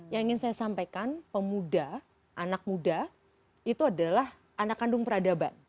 yang ingin saya sampaikan pemuda anak muda itu adalah anak kandung peradaban